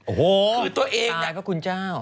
โอ้โหตายพระคุณเจ้า